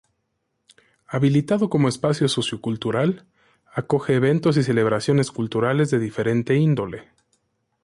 Habilitado como espacio sociocultural acoge eventos y celebraciones culturales de diferente índole.